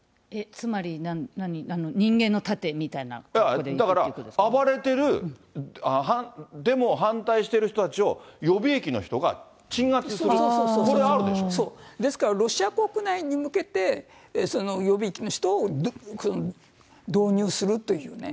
つまり、だから、暴れてる、デモを反対している人たちを予備役の人が鎮圧する、これ、あるでですからロシア国内に向けて、その予備役の人を導入するっていうね。